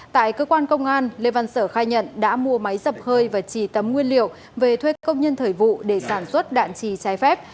tại cơ quan công an lê văn sở khai nhận đã mua máy dập khơi và trì tấm nguyên liệu về thuê công nhân thời vụ để sản xuất đạn trì trái phép